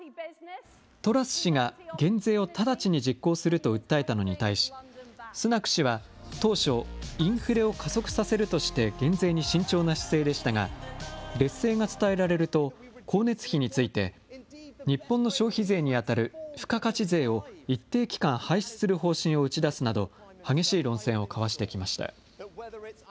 トラス氏が減税を直ちに実行すると訴えたのに対し、スナク氏は当初、インフレを加速させるとして、減税に慎重な姿勢でしたが、劣勢が伝えられると、光熱費について、日本の消費税に当たる付加価値税を一定期間、廃止する方針を打ち出すなど、激しい論戦を交わしてきました。